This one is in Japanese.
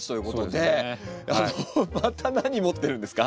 あのまた何持ってるんですか？